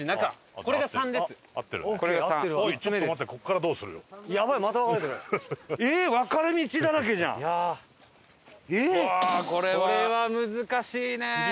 これは難しいね！